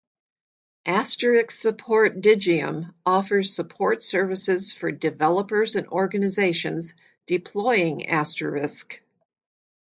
Asterisk Support - Digium offers support services for developers and organizations deploying Asterisk.